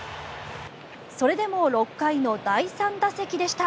それでも６回の第３打席でした。